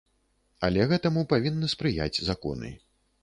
Але гэтаму павінны спрыяць законы.